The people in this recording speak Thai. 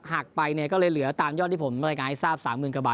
หักไปเนี่ยก็เลยเหลือตามยอดที่ผมรายงานให้ทราบ๓๐๐๐กว่าบาท